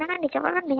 ditendang dibukain lagi